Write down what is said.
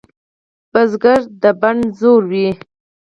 بزګر د بڼ زړه وي